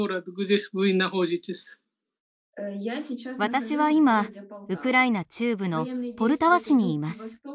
私は今ウクライナ中部のポルタワ市にいます。